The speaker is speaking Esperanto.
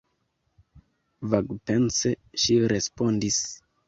Vagpense ŝi respondis: